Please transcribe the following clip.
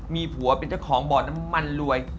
มีผัวเป็นเจ้าของบ่อน้ำมันรวย